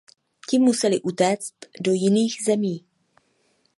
Ti museli utéct do jiných zemí.